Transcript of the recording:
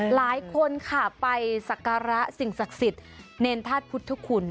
หลายคนค่ะไปสักการะสิ่งศักดิ์สิทธิ์เนรธาตุพุทธคุณ